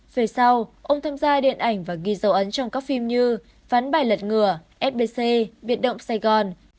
về sau ông tham gia điện ảnh và ghi dấu ấn trong các phim như ván bài lật ngừa fbc biệt động sài gòn